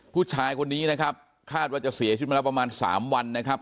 ผู้ชายคนนี้นะครับคาดว่าจะเสียชีวิตมาแล้วประมาณ๓วันนะครับ